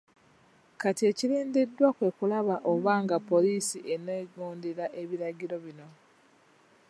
Kati ekirindiddwa kwe kulaba oba nga poliisi eneegondera ebiragiro bino.